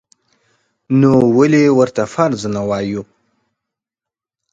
نو ولې ورته فرض نه وایو؟